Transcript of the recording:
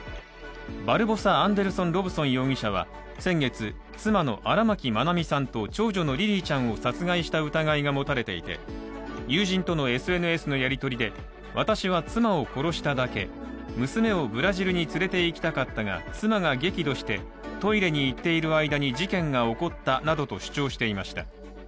バルボサ・アンデルソン・ロブソン容疑者は先月、妻の荒牧愛美さんと長女のリリィちゃんを殺害した疑いが持たれていて友人とのＳＮＳのやり取りで私は妻を殺しただけ娘をブラジルに連れていきたかったが妻が激怒してトイレに行っている間に事件が起こったなどと主張していました。